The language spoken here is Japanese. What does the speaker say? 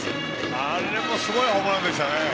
あれもすごいホームランでしたね。